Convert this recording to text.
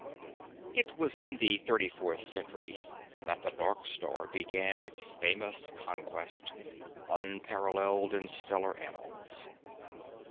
It was in the thirty fourth century that the dark star began its famous conquest, unparalleled in stellar annals.